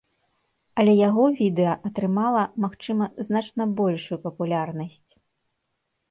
Але яго відэа атрымала, магчыма, значна большую папулярнасць.